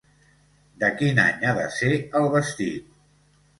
De quin any ha de ser el vestit?